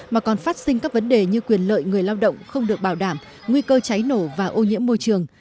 mà còn phát sinh các vấn đề như quyền lợi người lao động không được bảo đảm nguy cơ cháy nổ và ô nhiễm môi trường